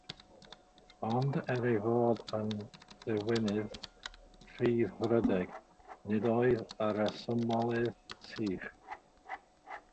Ond er ei fod yn ddiwinydd rhyddfrydig, nid oedd yn resymolydd sych.